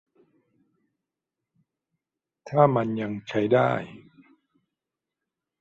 ถ้ามันยังใช้ได้